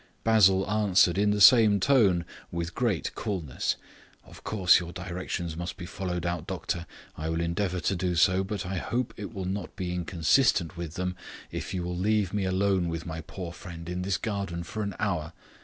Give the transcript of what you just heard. Basil answered in the same tone, with great coolness: "Of course your directions must be followed out, doctor. I will endeavour to do so, but I hope it will not be inconsistent with them if you will leave me alone with my poor friend in this garden for an hour.